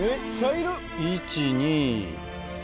１・２。